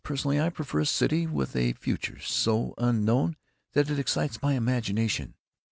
Personally, I prefer a city with a future so unknown that it excites my imagination.